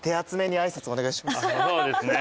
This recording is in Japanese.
そうですね。